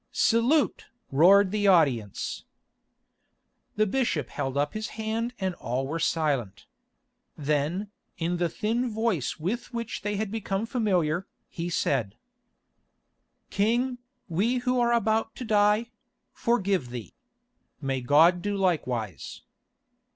"Salute!" roared the audience. The bishop held up his hand and all were silent. Then, in the thin voice with which they had become familiar, he said: "King, we who are about to die—forgive thee. May God do likewise."